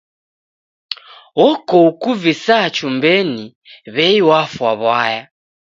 Oko ukuvisaa chumbenyi w'ei wafwa w'aya.